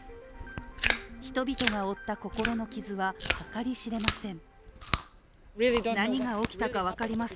人々が負った心の傷は計り知れません。